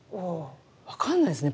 分かんないですよね